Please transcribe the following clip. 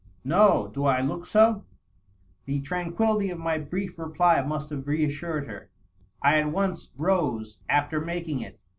" No. Do I look so V The tranquillity of my brief reply must have reassured hei\ I at once rose after making it.